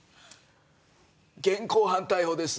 現行犯逮捕です。